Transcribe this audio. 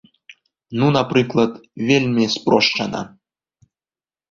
Ну напрыклад, вельмі спрошчана.